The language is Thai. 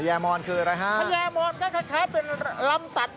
ทะเยมอนคืออะไรฮะทะเยมอนแค่เป็นลำตัด